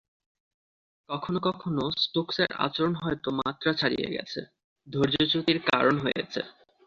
কখনো কখনো স্টোকসের আচরণ হয়তো মাত্রা ছাড়িয়ে গেছে, ধৈর্যচ্যুতির কারণ হয়েছে।